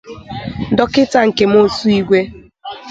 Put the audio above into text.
Dọkịta Nkem Osuigwe